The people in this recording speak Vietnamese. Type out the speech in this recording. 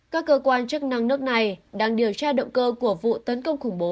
các cơ quan chức năng nước này đang điều tra động cơ của vụ tấn công khủng bố